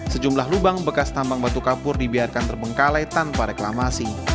sejumlah lubang bekas tambang batu kapur dibiarkan terbengkalai tanpa reklamasi